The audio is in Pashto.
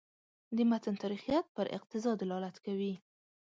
د متن تاریخیت پر اقتضا دلالت کوي.